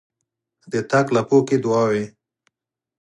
د تاک لپو کښې دعاوې،